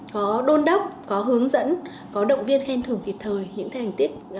tôn đốc có hướng dẫn có động viên khen thưởng kịp thời những thành tích